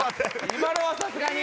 「今のはさすがに」